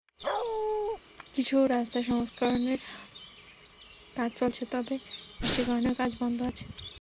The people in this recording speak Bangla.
কিছু রাস্তায় সংস্কারের কাজ চলছে, তবে বৃষ্টির কারণে কাজ বন্ধ আছে।